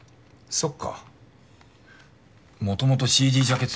そっか。